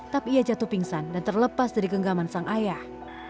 tapi ia jatuh pingsan dan terlepas dari genggaman sang ayah